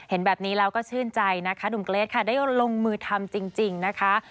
เห็นแบบนี้แล้วก็ชื่นใจนะคะหนุ่มเกรทค่ะได้ลงมือทำจริงนะคะ